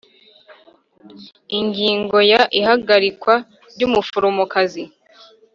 Ingingo ya ihagarikwa ry umuforomokazi